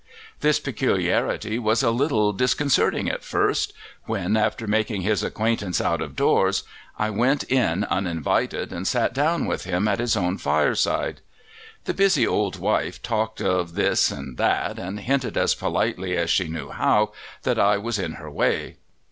This peculiarity was a little disconcerting at first, when, after making his acquaintance out of doors, I went in uninvited and sat down with him at his own fireside. The busy old wife talked of this and that, and hinted as politely as she knew how that I was in her way.